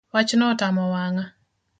Wachno otamo wang’a